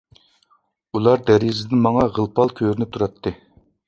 ئۇلار دېرىزىدىن ماڭا غىل-پال كۆرۈنۈپ تۇراتتى.